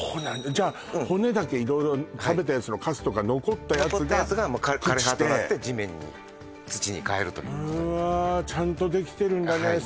じゃあ骨だけ色々食べたやつのカスとか残ったやつが枯れ葉となって地面に土にかえるといううわーちゃんとできてるんだね